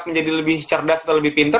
menjadi lebih cerdas atau lebih pinter